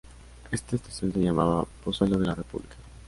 Esta estación se llamaba "Pozuelo de la República".